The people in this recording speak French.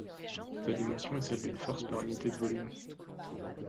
Sa dimension est celle d'une force par unité de volume.